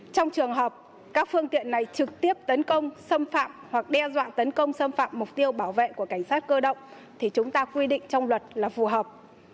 trong trường hợp các phương tiện này trực tiếp tấn công xâm phạm hoặc đe dọa tấn công xâm phạm mục tiêu bảo vệ của cảnh sát cơ động thì chúng ta quy định trong luật là phù hợp